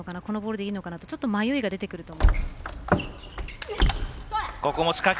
このボールでいいのかな？とちょっと迷いが出てくると思います。